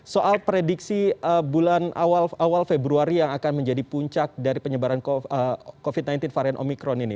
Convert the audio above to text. soal prediksi bulan awal februari yang akan menjadi puncak dari penyebaran covid sembilan belas varian omikron ini